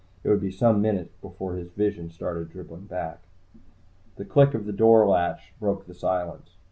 It would be some minutes before his vision started dribbling back. The click of the door latch broke the silence.